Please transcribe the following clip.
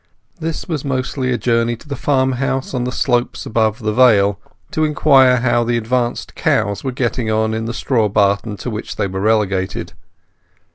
This was mostly a journey to the farmhouse on the slopes above the vale, to inquire how the advanced cows were getting on in the straw barton to which they were relegated.